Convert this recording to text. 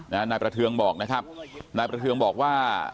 นายประเทืองบอกนะครับนายประเทืองบอกว่า